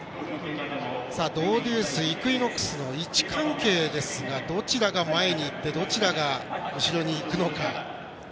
ドウデュース、イクイノックスの位置関係ですがどちらが前にいってどちらが後ろにいくのか。